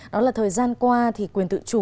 đó là thời gian qua thì quyền tự chủ